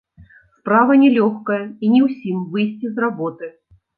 Справа не лёгкая, і не ўсім выйсці з работы.